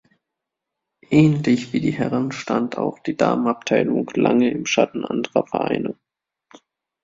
Ähnlich wie die Herren stand auch die Damen-Abteilung lange im Schatten anderer Vereine.